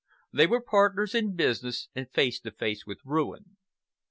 They were partners in business and face to face with ruin.